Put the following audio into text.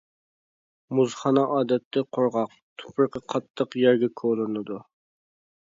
مۇزخانا ئادەتتە قۇرغاق، تۇپرىقى قاتتىق يەرگە كولىنىدۇ.